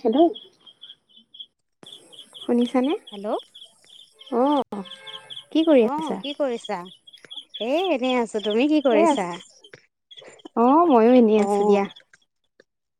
Hello শুনিছানে? Hello অঁ কি কৰি অ আছা? কি কৰিছা? এই এনেই আছ ছো তুমি কি এ আছ কৰিছা? অ ময়ো এনেই আছো দিয়া অঁ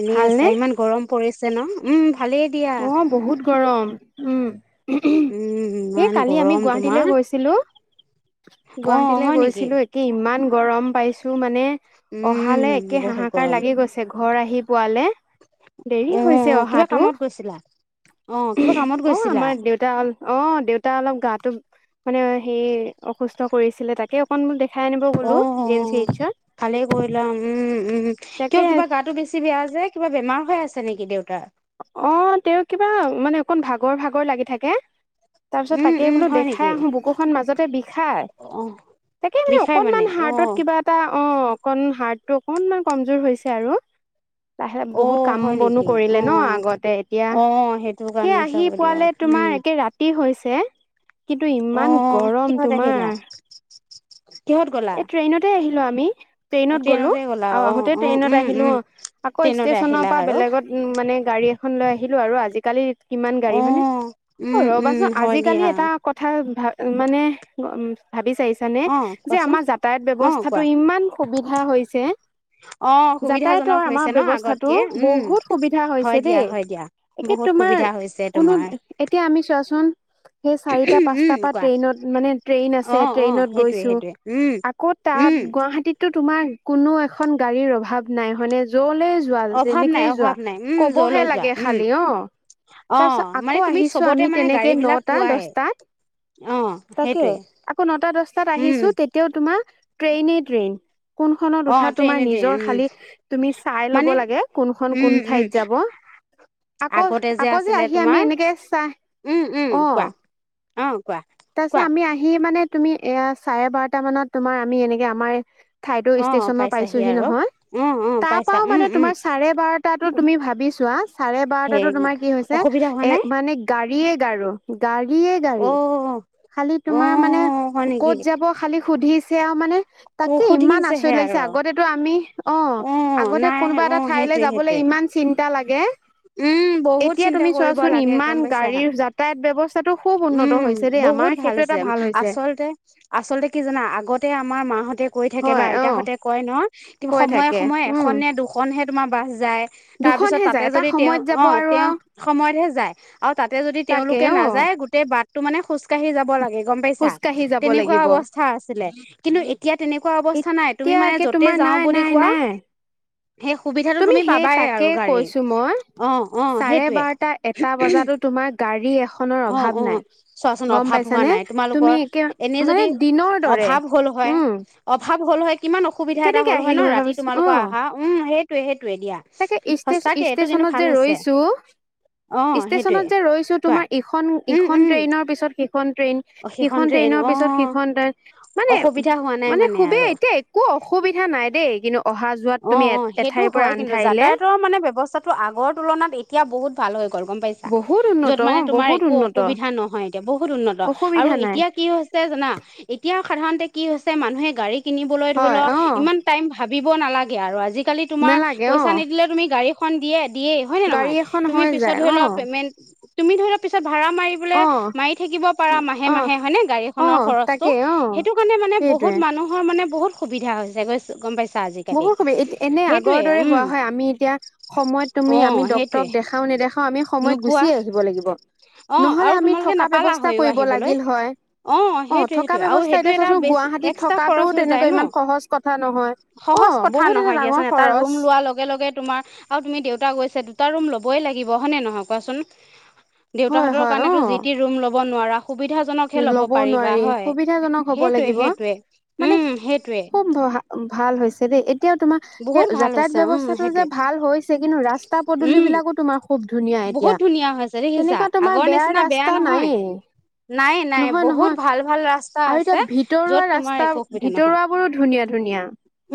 এনে আছা, ভালনে ইমান গৰম পৰিছে ন? উম ভালেই। দিয়া অঁ বহুত গৰম। উম উম এ ইমান কালি আমি গৰম গুৱাহাটীলে তোমাৰ গৈছিলো। অ গুৱাহাটীলে হয় নেকি গৈছিলো একে ইমান গৰম পাইছো মানে। উম অহালে একে বহুত হাহাকাৰ গৰম লাগি গৈছে ঘৰ আহি পোৱালে। অ দেৰি হৈছে কিবা অহাটো। কামত গৈছিলা অ কিবা কামত গৈছিলা? তা অল অঁ দেউতা অলপ গাটো মানে সেই অসুস্থ কৰিছিলে তাকে, অকণমান দেখাই আনিব অ গ'লো অ জি এম চি এইচত ভালেই কৰিলা উম, উম কিয় তাকে কিবা গাটো বেছি বেয়া যে। কিবা বেমাৰ হৈ আছে নেকি দেউতাৰ? অ তেওঁৰ কিবা মানে অকণ ভাগৰ, ভাগৰ লাগি থাকে। তাৰপিছত উম তাকেই উম বোলো হয় নেকি দেখাই আহো বুকুখন মাজতে বিষাই। অ তাকে মানে বিষাই অকনমান অ হাৰ্টত কিবা এ টা অ অকন হাৰ্ট টো অকনমান কমজোৰ হৈছে আৰু তা হে অ বহুত কাম হয় বনো নেকি কৰি লে ন অ আগতে এতিয়া অ সেইটো সেই কাৰণে আহি চাগৈ দিয়া পোৱালে তোমাৰ উম একে ৰাতি হৈছে কিন্তু অ ইমান গৰম কিহত তোমাৰ আহিলা কিহত গলা তে আহিলো আমি ট্ৰেইনত গ'লো ট্ৰেইনতে গ'লা আউ অ অ আহোতে ট্ৰেইনত উম আহিলো উম অ আকৌ ট্ৰেইনতে ষ্টেচনৰ আহিলা পৰা আৰু বেলেগত উম মানে গাড়ী এখন লৈ আহিলো আৰু আজিকালি কিমান অ গাড়ী হয়নে অ উম উম ৰবাচোন হয় আজিকালি দিয়া এটা অ কথা ভা মানে ভাবি চাৰিছানে যে কোৱাচোন আমাৰ যাতায়াত অ ব্যৱস্থাটো কোৱা ই মান সুবিধা হৈছে অ সুবিধাজনক যাতায়তৰ আমাৰ হৈছে ন ব্যৱস্থাটো আগতকে উম বহুত সুবিধা হয় হৈছে দিয়া দেই হয় দিয়া একে বহুত তোমাৰ সুবিধা হৈছে কোনো তোমাৰ এতিয়া আমি চোৱাচোন সেই চাৰিটা পাঁচটাৰ উম পৰা কোৱা ট্ৰেইনত মানে ট্ৰেইন অ আছে অ ট্ৰেইনত সেইটোৱে গৈছো সেইটোৱে উম আকৌ তাত উম গুৱাহাটীততো তোমাৰ কোনো এখন গাড়ীৰ অভাৱ নাই হয়নে যলে যোৱা অভাৱ নাই যেনেকেই যোৱা অভাৱ নাই উম কবহে যলৈ যোৱা লাগে উম খালি অ অ তাৰপিছত মানে আকৌ তুমি আহিছো চবতে আমি মানে গাড়ী তেনেকে বিলাক নটা পোৱাই দছটাত অ তাকে সেইটোৱে আকৌ নটা দছটাত উম আহিছো তেতিয়াও তোমাৰ ট্ৰেইনেই ট্ৰেইন কোনখনত অ উঠা তোমাৰ ট্ৰেইনেদি নিজৰ উম খালি তুমি চাই মানে ল'ব লাগে কোনখন উম কোন উম ঠাইত যাব আকৌ আগতে আকৌ যে আছিলে আহি আমি তোমাৰ এনেকে চাই উম উম অ কোৱা অ কোৱা তাৰ পিছত কোৱা আমি আহি মানে তুমি এইয়া চাৰে বাৰটা মানত তোমাৰ আমি এনেকে আমাৰ ঠাইদৌ অ ষ্টেচনৰ পাইছাহি পাইছোহি আৰু নহয় অ অ তাৰ পাইছা পৰাও উম মানে উম তোমাৰ চাৰে বাৰট টাতো তুমি ভাবি চোৱা চাৰে সেই বাৰটাতো তোমাৰ কি হৈছে অসুবিধা হোৱা নাই এ মানে গাড়ীয়ে গাড়ু গাড়ীয়ে অ গাড়ী খালি অ তোমাৰ মানে হয় নেকি ক'ত যাব খালি সুধিছে আৰু মানে তাকে ইমান সুধিছেহে আচৰিত আৰু লাগিছে আগতেতো আমি অ আগতে নাই কোনোবা অ এটা ঠাইলে সেইটোৱে সেইটোৱে যাবলে ইমান চিন্তা লাগে উম বহুত এতিয়া চিন্তা তুমি কৰিব চোৱাচোন লাগে গম ইমান পাইছা গাড়ীৰ যাতায়াত ব্যৱস্থাতটো খুব উন্নত হৈছে দেই সেইটো এটা ভাল হৈছে চলতে আচলতে কি জানা আগতে আমাৰ মাহঁতে কৈ থাকে বা হয় অ আইতাহঁতে কয় ন কিন্তু হৈ সময়ে থাকে সময়ে উম এখন নে দুখনহে তোমাৰ বাছ যায় তাৰ পিছত দুখনহে তাতে যায় এটা যদি তেওঁ সময়ত যাব অ আৰু তেওঁ আৰু সময়তহে যায়, আৰু তাতে যদি তাকে তেওঁলোকে অ নাযায় গোটেই বাটটো মানে খোজ কাঢ়ি যাব লাগে গম পাইছা, খোজকাঢ়ি যাব তেনেকুৱা লাগিব অৱস্থা আছিলে। কিন্তু এতিয়া তেনেকুৱা অৱস্থা নাই, তুমি এতিয়া মানে একে যতে তোমাৰ যাওঁ নাই বুলি নাই কোৱা নাই সেই সুবিধাটো তুমি সেই পাবাই তাকে আৰু গাড়ী। কৈছো মই অঁ অঁ চাৰে সেইটোৱে বাৰটা এটা বজাতো তোমাৰ গাড়ী এখনৰ অঁ অভাৱ অঁ। নাই চোৱাচোন গম অভাৱ হোৱা পাইছানে নাই তুমি তোমালোকৰ, একে এনে মানে যদি দিনৰ দৰে অভাৱ হ'ল হয় উম অভাৱ হ'ল হয় কিমান অসুবিধা এটা কেনেকে হ'ল হয় আহিলো ন ৰাতি ভাবিছো অ তোমালোকৰ আহা, উম সেইটোৱে সেইটোৱে দিয়া। ষ্টেচ সঁচাকে এইটো কিন্তু ষ্টেচনত ভাল যে হৈছে ৰৈছো অ সেইটোয়ে ষ্টেচনত যে ৰৈছো কোৱা তোমাৰ ইখন উম ইখন উম ট্ৰেইনৰ পিছত সিখন ট্ৰেইন। সেইখন সিখন ট্ৰেইন ট্ৰেইনৰ অ পিছত সিখন ট্ৰেইন, মানে অসুবিধা হোৱা নাই মানে আৰু খুবেই এতিয়া একো অসুবিধা নাই দেই কিন্তু অহা যোৱাত অঁ তুমি এ অঁ সেইটো এঠাইৰ পৰা হয় আন কিন্ত, ঠাইলে যাতায়াতৰ মানে ব্যৱস্থা তো আগৰ তুলনাত এতিয়া বহুত ভাল হৈ গ'ল গম পাই বহুত উন্নত যত অ মানে তোমাৰ বহুত একো উন্নত অসুবিধা নহয় এতিয়া বহুত উন্নত, অসুবিধা নাই এতিয়া কি হৈছে জানা এতিয়া সাধাৰণতে কি হৈছে, মানুহে গাড়ী কিনিবলৈ ধৰি হয় লওক অ ইমান টাইম ভাবিব নালাগে আৰু, আজি কালি তোমাৰ, নালাগে পইচা অ নিদিলেও তুমি গড়ী খন দিয়ে। দিয়েই হয় নে গাড়ী নহয়? এখন তুমি হৈ পিছত যায় ধৰি অ লোৱা পেমেণ্ট তুমি ধৰি লোৱা ভৰা মাৰি বোলে অ মাৰি থাকিব পাৰা মাহে অ মাহে হয়নে, গাড়ী অ খনৰ খৰচটো। তাকে অ সেইটো কাৰণে মানে সেইটোৱে বহুত মানুহৰ মানে, বহুত সুবিধা হৈছে গৈছ গম পাইছা। আজিকালি বহুত সুবি, এটি এনে সেইটোৱে আগৰ দৰে উম হোৱা হয়, আমি এতিয়া সময়ত তুমি অ আমি সেইটোৱে ডক্তৰক দেখা দেখাও নেদেখাও আমি সময়ত নোপোৱা গুচিয়ে আহিব লাগিব। অ নহলে আৰু আমি তোমালোকে থকা নাপালা ব্যৱস্থা হয়ো কৰিব আহিবলৈ লাগিল হয়। অ অঁ সেইটোৱে থকা সেইটোৱে আৰু ব্যৱস্থা সেইটো এতিয়া এটা চোৱাচোন বেছ গুৱাহাটীত এক্সট্ৰা থকাটো, খৰচ হৈ যায় তেনেকুৱা ন ইমান সহজ কথা নহয়। অ সহজ কথা বহুত এটা নহয় ডাঙৰ দিয়াচোন, এটা খৰচ ৰুম লোৱাৰ লগে লগে তোমাৰ আৰু তুমি দেউতা গৈছে দুটা ৰুম ল'বই লাগিব, হয়নে নহয় কোৱাচোন? হয় দেউতাহঁতৰ হয় অ কাৰণেতো যি তি ৰুম ল'ব নোৱাৰা। সুবিধা জনকহে ল'ব পাৰিবা নোৱাৰি হয়, সুবিধাজনক হব সেইটোৱে লাগিব সেইটোৱে মানে উম', সেইটোৱে। খুব ভা ভাল হৈছে দেই এতিয়াও তোমাক সেই বহুত ভাল যাতায়াত হৈছে উম ব্যৱস্থাটো যে সেইটোৱে ভাল হৈছে, কিন্তু ৰাস্তা পদূলি উম বিলাকো তোমাৰ খুব ধুনীয়া এতিয়া, বহুত ধুনীয়া হৈছে দেখিছা তেনেকুৱা তোমাৰ আগৰ বেয়া নিচিনা ৰাস্তা নহয় নাইয়ে। নাই নাই নহয় বহুত নহয় ভাল ভাল ৰাস্তা আৰু আছে এতিয়া ভিতৰুৱা য'ত তোমাৰ ৰাস্তা একো অসুবিধা নহয় ভিতৰুৱা বোৰো ধুনীয়া ধুনীয়া।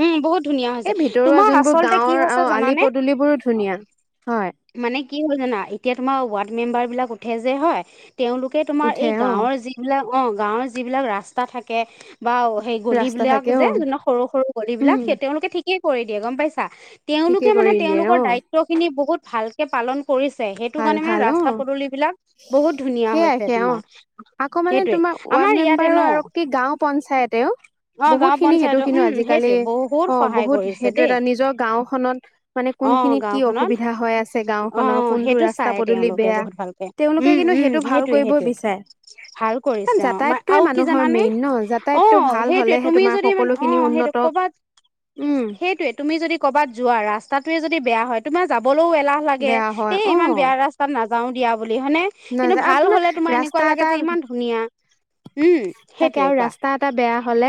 উম', বহুত ধুনীয়া হৈছে, এই ভিতৰুৱা তোমাৰ যোনবোৰ আচলতে কি গাঁৱৰ হৈছে আহ আলি জানানে? পদূলিবোৰো অঁ। ধুনীয়া হয় মানে কি হল জানা? এতিয়া তোমাৰ ৱাৰ্ড মেম্বাৰ বিলাক উঠে যে হয় তেওঁলোকে তোমাৰ উঠে এই অ গাঁৱৰ যিবিলাক, অঁগাঁৱৰ যিবিলাক ৰাস্তা থাকে বা সেই গলি ৰাস্তা বিলাক থাকে অ যে সৰু সৰু গলি বিলাক, উম সেই তেওঁলোকে ঠিকেই কৰি দিয়ে গম পাইছা। ঠিকে তেওঁলোকে মানে কৰি দিয়ে তেওঁলোকৰ অ দায়িত্ব খিনি বহুত ভালকে পালন কৰিছে সেইটো ভাল কাৰণে মানে ভাল অ ৰাস্তা পদূলি বিলাক, বহুত ধুনীয়া সেয়াই হৈছে সেয়া অ তোমাৰ। আকৌ মানে সেইটোৱে তোমাৰ আমাৰ ৱাৰ্ড ইয়াতে মেম্বাৰ ন আৰু কি গাঁও পঞ্চায়তেও অ গাঁও বহুত খিনি সেইটো পঞ্চায়তৰ কিন্তু উম আজিকালি সেইটোৱে বহুত অঁ' সহায় বহুত কৰিছে সেইটো দেই এটা নিজৰ গাওঁ খনত, মানে অ কোনখিনিত কি অসুবিধা হয় আছে গাঁও খনৰ অঁ সেইটো চাই তেওঁলোকে বহুত ভালকে, তেওঁলোকে উম', কিন্তু উম', সেইটো ভাল সেইটোৱে কৰিব সেইটোৱে। বিচাৰে ভাল কাৰণ কৰিছে অঁ' যাতায়াতটোৱে আৰু কি মানুহৰ জানানে, মেইন ন যাতায়াতটো অঁ ভাল সেইটোৱে' হলেহে তুমি তোমাৰ যদি মানে সকলোখিনি অঁ সেইটো উন্নত ক'বাত উম সেইটোৱে তুমি যদি ক'বাত যোৱা ৰাস্তাটোৱে যদি বেয়া হয়, তোমাৰ যাবলৈও এলাহ লাগে বেয়া হয় এই অ ইমান বেয়া ৰাস্তাত নাযাওঁ দিয়া বুলি হয়নে। কিন্তু নাযা আৰু ভাল হলে তোমাৰ ৰাস্তা এনেকুৱা এটা লাগে যে ইমান ধুনীয়া, উম', তাকে সেইটোয়ে আৰু কাৱা ৰাস্তা বেয়া হলে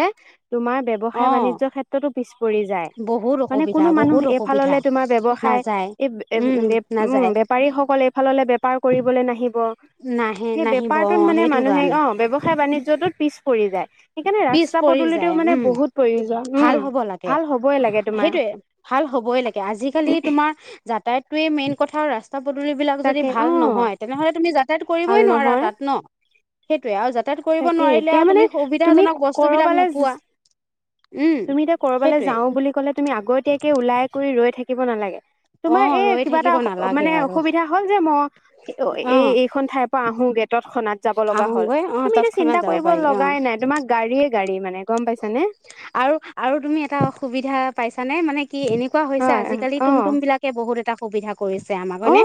তুমাৰ অ ব্যৱসাই বাণিজ্য সেত্ৰত পিছ পৰি যায়, বহুত মানে অসুবিধা কোনো মানুহ বহুত অসুবিধা এইফাললে তোমাৰ ব্যৱসায় নাযায় এই- এই- উম বে- নাযায় বেপাৰীসকল এইফাললৈ বেপাৰ কৰিবলৈ নাহিব। নাহে সেই নাহিব অ বেপাৰটোত মানে সেইটো মানুহে কাৰণে অ' ব্যৱসায় বাণিজ্যটোত পিছ পৰি যায়। সেইকাৰণে পিছ ৰাস্তা পৰি যায় পদূলিতটো মানে উম বহুত প্ৰয়োজন, ভাল উম', হ'ব লাগে ভাল হ'বই লাগে তোমাৰ সেইটোৱে ভাল হ'বই লাগে আজিকালি তোমাৰ যাতায়াতটোৱে মেইন কথা, ৰাস্তা পদূলিবিলাক যদি তাকে ভাল অ নহয় তেনেহ'লে তুমি যাতায়াত ভাল কৰিবই নোৱাৰা নহয় তাত ন', সেইটয়ে আৰু যাতায়াত কৰিব তাকে নোৱাৰিলে এতিয়া আৰু মানে তুমি তুমি সুবিধাজনক বস্তু বিলাক নোপোৱা। কৰবালৈ উম তুমি এতিয়া কৰবালৈ সেইটোৱে যাওঁ বুলি কলে, তুমি আগতীয়াকে ওলাই কৰি ৰৈ থাকিব নালাগে। অ তোমাৰ এই ৰৈ কিবা এটা থাকিব নালাগে মানে আৰু অসুবিধা হ'ল, যে মই অ এই এইখন ঠাইৰ আহো গে টত খনাত যাব লগা হ'ল, আহোগৈ অ তুমি এতিয়া তৎক্ষণাত চিন্তা যাব কৰিব পাৰি অ লগাই নাই তোমাক গাড়ীয়ে গাড়ী মানে গম পাইছ নে। আৰু- আৰু তুমি এটা অসুবিধা পাইছানে, মানে কি এনেকুৱা হৈছো হয় আজিকালি অ তুমটুম বিলাক বহুত এটা সুবিধা। কৰিছে আমাক অ হয়নে,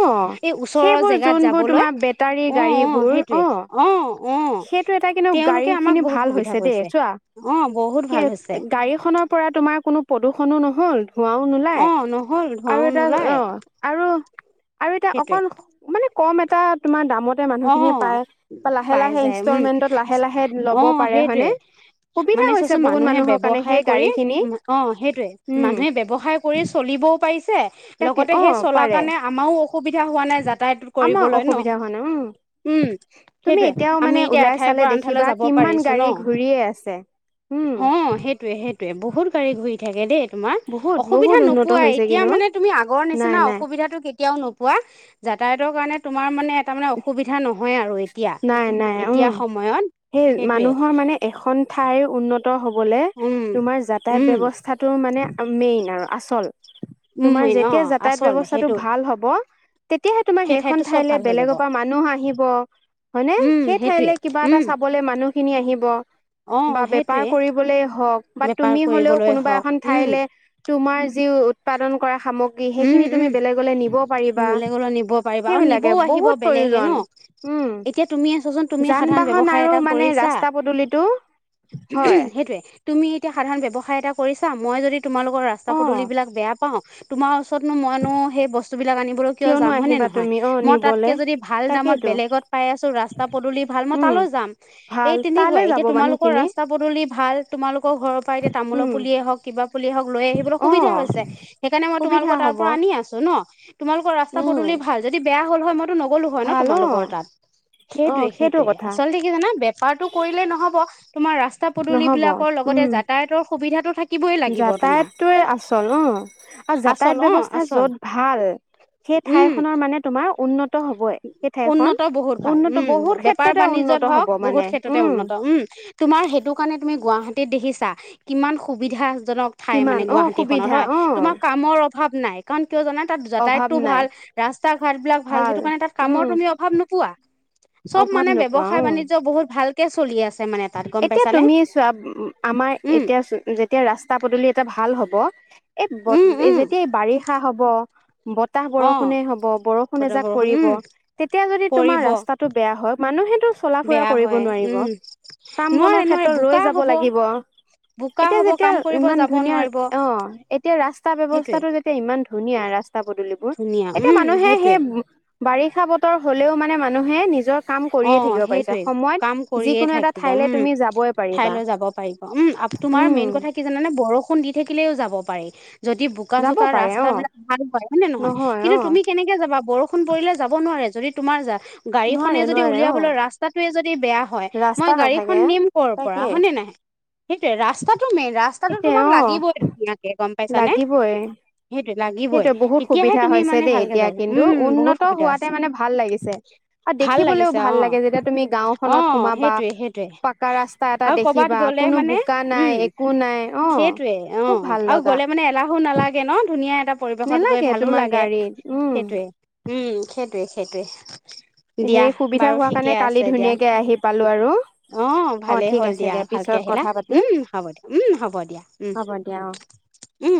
এই ওচৰৰ সেইবোৰ জেগাত যোনবোৰ যাবলৈ, তোমাৰ বেটাৰী অ', অ', গাড়ীবোৰ সেইটোৱে অ',। অ', সেইটো এটা কিন্তু গাড়ী তেওঁলোকে আমাক খিনি বহুত ভাল সুবিধা হৈছে দেই কৰিছে। চোৱা অ', বহুত কি ভাল হৈছে। গাড়ীখনৰ পৰা তোমাৰ, কোনো প্ৰদূষণো নহ'ল। ধুৱাও অ নুলাই, নহ'ল ধোঁৱাও আৰু এটা অ', নোলায় আৰু আৰু এটা সেইটোৱে অকন মানে কম এটা তোমাৰ দামতে, অ মানুহখিনিয়ে পায়। বা লাহে পাই লাহে যায়, উম', ইনষ্টলমেন্টত লাহে লাহে ল'ব অ', পাৰে সেইটোৱে। হয়নে? সুবিধা মানে হৈছে চোৱাচোন বহুত মানুহে মানুহৰ কাৰণে সেই ব্যৱসায় কৰি গাড়ী খিনি উম' অ', সেইটোয়ে, উম মানুহে ব্যৱসায় কৰি চলিবও পাৰিছে তাকে লগতে অ সেই চলা পাৰে কাৰণে, আমাৰো অসুবিধা হোৱা নাই, যাতায়ত আমাৰ কৰিবলৈ ন'। অসুবিধা হোৱা উম',। উম তুমি সেইটোয়ে এতিয়াও আমি মানে, এতিয়া ওলাই এঠাইৰ চালে পৰা আন ঠাইলৈ দেখিবা, যাব কিমান পাৰিছো ন গাড়ী ঘূৰিয়ে আছে। উম অ', সেইটোৱে- সেইটোৱে, বহুত গাড়ী ঘূৰি থাকে দেই। তোমাৰ, বহুত বহুত অসুবিধা উন্নত নোপোৱাই হৈছে এতিয়া কিন্তু মানে তুমি আগৰ নাই নিচিনা নাই অসুবিধাটো কে কেতিয়াও নোপোৱা। যাতায়তৰ কাৰণে তোমাৰ মানে, এটা মানে অসুবিধা নহয় আৰু। এতিয়া নাই- নাই এতিয়া উম' সময়ত সেই সেইটোৱে মানুহৰ মানে এখন ঠাইৰ উন্নত হ'বলে, উম তোমাৰ যাতায়াত উম ব্যৱস্থাটো মানে মেইন আৰু আচল। উম তোমাৰ অ' যেতিয়া, যাতায়াত আচল ব্যয়স্থাটো সেইটো ভাল হ'ব তেতিয়াহে, তোমাৰ সেই ঠাইতো সেইখন চব ঠাইলে ভাল হৈ যাব বেলেগৰ পৰা মানুহ আহিব। হয়নে? উম সেই সেইটোৱে ঠাইলে কিবা এটা উম চাবলে মানুহখিনি আহিব। অ বা বেপাৰ সেইটোৱে কৰিবলে হওক, বা বেপাৰ তুমি হ'লেও কৰিবলৈ কোনোবা হওক এখন উম ঠাইলে তোমাৰ যি উৎপাদন কৰা সামগ্ৰী, উম সেইখিনি তুমি উম বেলেগলে নিব পাৰিবা। বেলেগলৈ নিব পাৰিবা আৰু সেইবিলাকে নিবও আহিব বহুত বেলেগে প্ৰয়োজন ন', উম এতিয়া তুমিয়ে চোৱাচোন তুমি যান সাধাৰণ বাহন ব্যৱসায় আৰু এটা মানে কৰিছা, ৰাস্তা পদূলিটো হয় সেইটোৱে তুমি এতিয়া সাধাৰণ ব্যৱসায় এটা কৰিছা, মই যদি তোমালোকৰ ৰাস্তা অ পদলিবিলাক কওঁ, তোমাৰ ওচৰতনো মইনো সেই বস্তু বিলাক আনি বলে কিয় কিয়নো যাম হয়নে আহিবা নহয়? তুমি অ মই তাতকে নিবলে যদি ভাল দামত তাকেইতো বেলেগত পাই আছো, ৰাস্তা পদূলি ভাল মই উম তালৈ যাম। ভাল এই তালে তেনেকুৱাই, যাব এতিয়া তোমালোকৰ মানুহখিনি ৰাস্তা পদূলি ভাল, তোমালোকৰ ঘৰৰ পৰা এতিয়া তামোলৰ উম পুলিয়ে হওক, কিবা পুলিয়ে হওক, লৈ আহিবলৈ অ সুবিধা হৈছে। সেইকাৰণে মই সুবিধা তোমালোকৰ তাৰ হব পৰা আনি আছো ন', তোমালোকৰ উম ৰাস্তা-পদূলি ভাল। যদি বেয়া হল হয়, মই টো নগলো হয় ন', ভাল অ তোমালোকৰ তাত। অ সেইটো সেইটোৱে-সেইটোৱে, কথা আচলতে কি জানা? বেপাৰটো কৰিলে নহব, তোমাৰ ৰাস্তা-পদূলি নহব বিলাকৰ লগতে, উম যাতায়াতৰ সুবিধাটো থাক যাতায়াতটোৱে আচল ন', আৰু আচল যাতায়াত অ ব্যৱস্থা আচল য'ত ভাল সেই উম ঠাইখনৰ মানে, তোমাৰ উন্নত হবই। সেই ঠাইখন উন্নত বহুত ভাল উন্নত উম বহুত বেপাৰ ক্ষেত্ৰ তে বাণিজ্যত উন্নত হওক হ'ব বহুত মানে। ক্ষেত্ৰতে উম! উন্নত তোমাৰ সেইটো কাৰণে তুমি গুৱাহাটীত দেখিছা, কিমান সুবিধাজনক। ঠাই কিমান মানে অ গুৱাহাটী খনত সুবিধা অ হয়, তোমাৰ কামৰ অভাৱ নাই। কাৰণ কিয় জানা? তাত অভাৱ যাতায়তটো নাই ভাল। ৰাস্তা ঘাটবিলাক ভাল, সেইটো কাৰণে তাত উম কামৰ তুমি অভাৱ নোপোৱা। চব অভাৱ মানে নোপোৱা ব্যৱহায় অ বাণিজ্য বহুত ভালকে চলি আছে মানে। তাত গম এতিয়া পাইছানে তুমি চোৱা! আমাৰ উম এতিয়া যেতিয়া ৰাস্তা পদূলি এটা ভাল হ'ব উম এই উম যেতিয়া বাৰিষা হব, ব তাহ অ বৰষুণেই হব, বৰষুণ বতৰ এজাক বৰষুণ পৰিব, উম তেতিয়া যদি তোমাৰ পৰিব ৰাস্তাটো বেয়া হয়, মানুহে টো চলা-ফুৰা বেয়া কৰিব হয় নোৱাৰিব। উম কাম নোৱাৰে বনৰ নোৱাৰে ক্ষেত্ৰত বোকা ৰৈ যাব হব লাগিব। বোকা এতিয়া হব যেতিয়া কাম কৰিব ইমান যাব ধুনীয়া নোৱাৰিব অ', এতিয়া ৰাস্তা সেইটোৱে ব্যৱস্থাটো যেতিয়া ইমান ধুনীয়া, ৰা ৰাস্তা-পদুলিবোৰ, ধুনীয়া এতিয়া উম মানুহে সেইটোৱে সেই বাৰিষা বতৰ হলেও মানে মানুহে নিজৰ কাম অ কৰিয়ে থাকিব পাৰিছে। সেইটোৱে সময়ত কাম কৰিয়ে কোনো এটা থাকিব ঠাইলে উম তুমি যাবই পাৰিবা। ঠাইলৈ যাব পাৰিব উম তোমাৰ উম। মেইন কথা কি জানানে? বৰষুণ দি থাকিলেও যাব পাৰি। যদি বোকা যাব চোকা পাৰে অ', ৰাস্তা বিলাক ভাল হয়, হয়নে নহয়? কিন্তু তুমি কেনে কেনেকে যাবা বৰষুণ পৰিলে যাব নোৱাৰে, যদি তোমাৰ যা নোৱাৰে গাড়ীখনে যদি নোৱাৰে উলিয়াবলৈ অ', ৰা ৰাস্তাতোয়ে যদি বেয়া হয়, ৰাস্তা মই নাথাকে গাড়ীখন নিম কৰ পৰা তাকে হয়নে নাই। সেইটোৱে ৰাস্তাটো মেইন, ৰাস্তাটো সেইটোৱে তোমাক অ', লাগিবই ধুনীয়াকে গম পাইছা নে? লাগিবই সেইটোয়ে লাগিবই, সেইটোৱে বহুত তেতিয়াহে সুবিধা তুমি হৈছে মানে দেই ভালকে এতিয়া যাবা। কিন্তু উম, বহুত উন্নত সুবিধা হোৱাতে আছে। মানে ভাল লাগিছে। আৰু ভাল দেখিবলেও লাগিছে ভাল অ লাগে, যেতিয়া তুমি অ গাওখনত সোমাবা সেইটোৱে সেইটোৱে পাকা ৰাস্তাত। এটা আৰু কৰ'বাত দেখিবা গ'লে কোনো মানে বোকা উম নাই, একো নাই অ' সেইটোৱে অ খুব ভাল আৰু লগা। গ'লে মানে [unintelligible] ধুনীয়া এটা পৰিৱেশত গৈ নেলাগে ভালো তোমাৰ লাগে। গাড়ীত উম, সেইটোৱে, উম, সেইটোৱে সেইটোৱে। দিয়া সেই সুবিধা বাৰু হোৱা ঠিকে কাৰণে কালি আছে দিয়া ধুনীয়াকে আহি পালো আৰু। অ' ভালেই ঠিক হ'ল আছে দিয়া, ভালকে পিছত আহিলা। কথা পাতিম উম হ'ব দিয়া উম হ'ব দিয়া উম। হ'ব দিয়া অ'। উম।